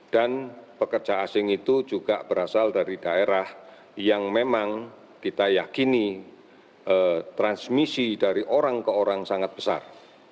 dan pekerja asing itu juga berasal dari daerah yang memang kita yakini transmisi dari orang ke orang sangat besar